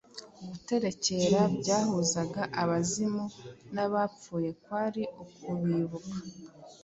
Guterekera byahuzaga abazimu n' abapfuye kwari ukubibuka.